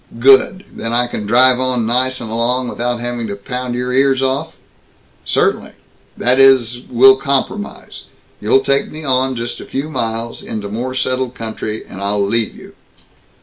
"Good. Then I can drive on nice and alone, without having to pound your ears off?" "Certainly. That is we'll compromise. You take me on just a few miles, into more settled country, and I'll leave you."